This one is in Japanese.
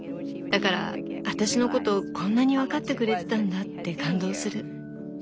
だから「私のことこんなに分かってくれてたんだ」って感動する。